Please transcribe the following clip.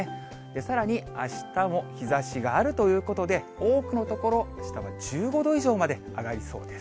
さらにあしたも日ざしがあるということで、多くの所、あしたは１５度以上まで上がりそうです。